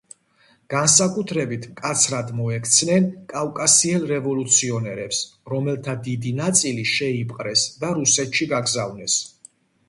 განსაკუთრებით მკაცრად მოექცნენ კავკასიელ რევოლუციონერებს, რომელთა დიდი ნაწილი შეიპყრეს და რუსეთში გაგზავნეს.